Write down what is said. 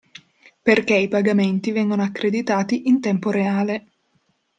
Perché i pagamenti vengono accreditati in tempo reale.